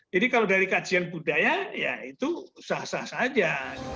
jadi kalau dari kajian budaya ya itu sah sah saja